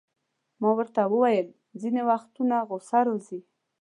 ما ورته وویل: ځیني وختونه غصه راځي.